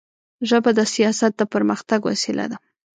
ژبه د سیاست د پرمختګ وسیله ده